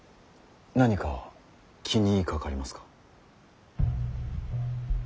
何か気にかかりますか。